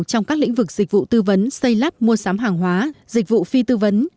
trong các lĩnh vực dịch vụ tư vấn xây lắp mua sắm hàng hóa dịch vụ phi tư vấn